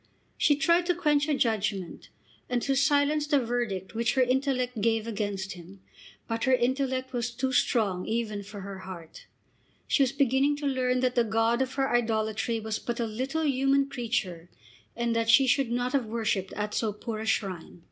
She tried to quench her judgment, and to silence the verdict which her intellect gave against him, but her intellect was too strong even for her heart. She was beginning to learn that the god of her idolatry was but a little human creature, and that she should not have worshipped at so poor a shrine.